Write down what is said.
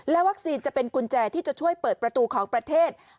วัคซีนจะเป็นกุญแจที่จะช่วยเปิดประตูของประเทศ